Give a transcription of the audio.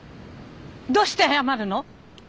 どうして謝るの！？